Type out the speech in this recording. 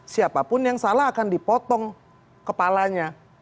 siapapun yang salah akan dipotong kepalanya